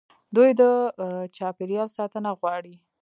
دوی د چاپیریال ساتنه غواړي.